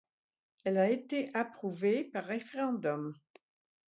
Elle a été approuvée par référendum.